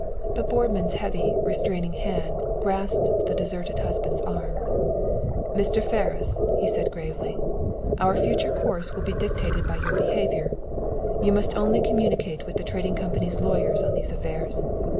But Boardman's heavy, restraining hand grasped the deserted husband's arm. "Mr. Ferris," he gravely said. "Our future course will be dictated by your behavior. You must only communicate with the Trading Company's lawyers on these affairs.